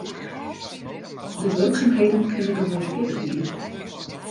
De wurksumheden kinne gewoan fierder gean.